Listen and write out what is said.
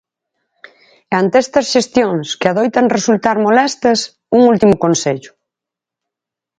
E ante estas xestións que adoitan resultar molestas, un último consello...